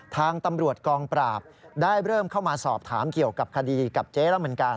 ทางตำรวจกองปราบได้เริ่มเข้ามาสอบถามเกี่ยวกับคดีกับเจ๊แล้วเหมือนกัน